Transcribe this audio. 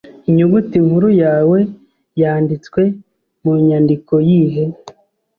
Inyuguti nkuru yawe yanditswe mu nyandiko yihe